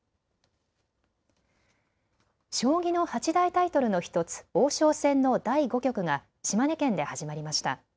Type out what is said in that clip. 将棋の八大タイトルの１つ、王将戦の第５局が島根県で始まりました。